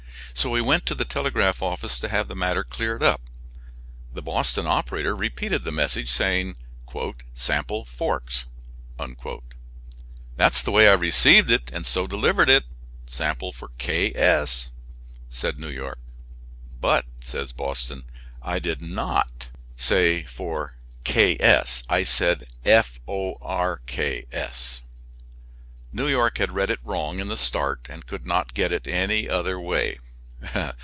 So he went to the telegraph office to have the matter cleared up. The Boston operator repeated the message, saying "sample forks." "That's the way I received it and so delivered it sample for K. S.," said New York. "But," says Boston, "I did not say for K. S.; I said f o r k s." New York had read it wrong in the start and could not get it any other way.